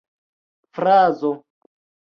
frazo